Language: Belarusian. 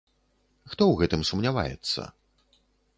Хто ў гэтым сумняваецца?